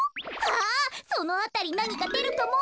そのあたりなにかでるかも。